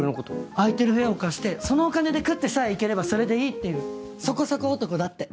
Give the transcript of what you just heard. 空いてる部屋を貸してそのお金で食ってさえいければそれでいいっていうそこそこ男だって。